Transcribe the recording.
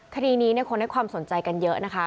คดีนี้คนให้ความสนใจกันเยอะนะคะ